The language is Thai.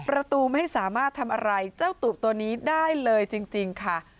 ประตูไม่สามารถทำอะไรเจ้าตูบตัวนี้ได้เลยจริงค่ะ